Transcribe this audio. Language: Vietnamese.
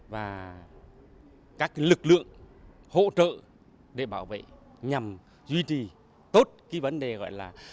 và các lực lượng hỗ trợ để bảo vệ nhằm duy trì tốt cái vấn đề gọi là